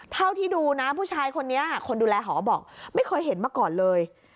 เท่าที่ดูนะผู้ชายคนนี้คนดูแลหอบอกไม่เคยเห็นมาก่อนเลย